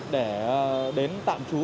để đến tạm trú